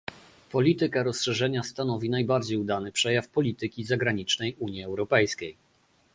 Polityka rozszerzenia stanowi najbardziej udany przejaw polityki zagranicznej Unii Europejskiej